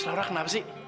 sebenernya kenapa sih